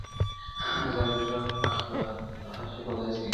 ازادۍ ږغ اخبار د هر چا لاس کي ګرځي-